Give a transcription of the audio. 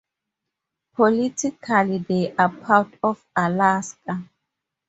Politically they are part of Alaska.